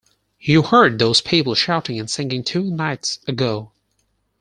You heard those people shouting and singing two nights ago.